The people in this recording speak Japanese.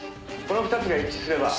「この２つが一致すれば」